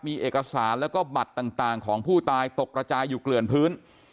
มีเอกสารแล้วก็บัตรต่างของผู้ตายตกระจายอยู่เกลื่อนพื้น